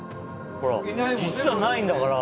実はないんだから。